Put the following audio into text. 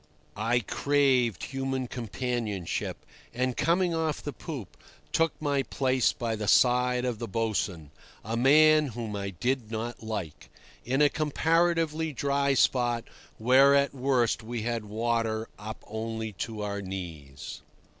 I craved human companionship, and, coming off the poop, took my place by the side of the boatswain (a man whom I did not like) in a comparatively dry spot where at worst we had water only up to our knees.